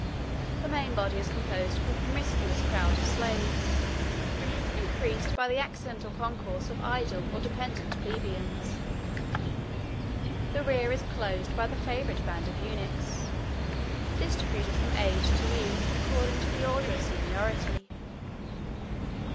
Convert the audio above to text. The main body is composed of a promiscuous crowd of slaves, increased by the accidental concourse of idle or dependent plebeians. The rear is closed by the favorite band of eunuchs, distributed from age to youth, according to the order of seniority.